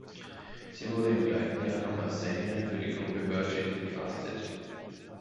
Sie wurde im gleichen Jahr noch als Sängerin für die Gruppe Virgin gecastet.